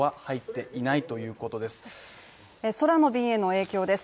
空の便への影響です。